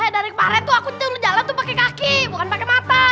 dari kemarin tuh aku tidur jalan tuh pakai kaki bukan pakai mata